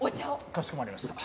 かしこまりました。